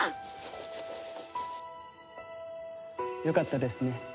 よかったですね。